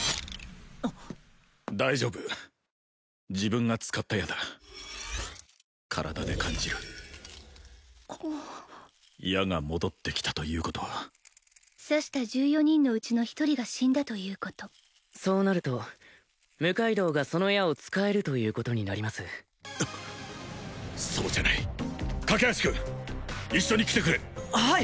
大丈夫自分が使った矢だ体で感じる矢が戻ってきたということは刺した１４人のうちの１人が死んだということそうなると六階堂がその矢を使えるということになりますそうじゃない架橋君一緒に来てくれはい！